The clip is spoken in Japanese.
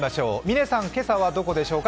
嶺さん、今朝はどこでしょうか。